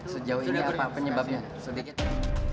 sejauh ini apa penyebabnya sedikit